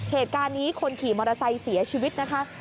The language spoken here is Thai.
เหตุการณ์นี้คนขี่มอเตอร์ไซค์เสียชีวิตนะคะ